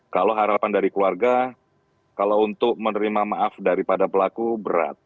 kalau harapan dari keluarga kalau untuk menerima maaf daripada pelaku berat